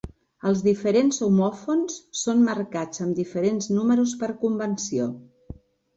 Els diferents homòfons són marcats amb diferents números per convenció.